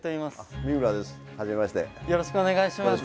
よろしくお願いします。